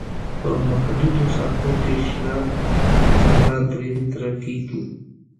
په محدودو ساحو کې شنه ساحه درې متره کیږي